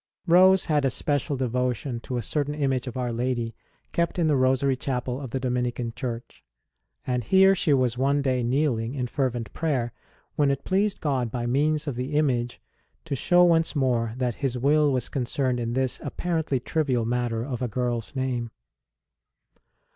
Rose had a special devotion to a certain image of Our Lady kept in the Rosary Chapel of the Dominican Church ; and here she was one day kneeling in fervent prayer, when it pleased God by means of the image to show once more that His will was con cerned in this apparently trivial matter of a girl s name.